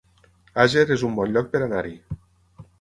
Àger es un bon lloc per anar-hi